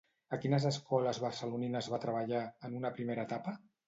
A quines escoles barcelonines va treballar, en una primera etapa?